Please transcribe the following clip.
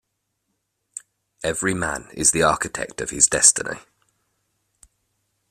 Every man is the architect of his destiny.